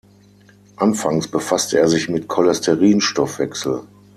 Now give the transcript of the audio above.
Anfangs befasste er sich mit Cholesterin-Stoffwechsel.